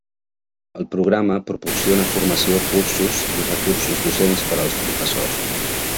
El programa proporciona formació, cursos i recursos docents per als professors.